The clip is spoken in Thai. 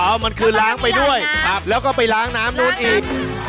เอามันคือล้างไปด้วยแล้วก็ไปล้างน้ำนู้นอีก